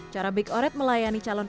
cara big oret melayani calon